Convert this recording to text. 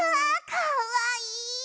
かわいい。